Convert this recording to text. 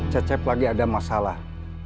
cecep lagi ada masalah